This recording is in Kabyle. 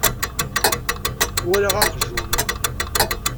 Walaɣ aqjun.